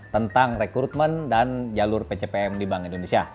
tentang rekrutmen dan jalur pcpm di bank indonesia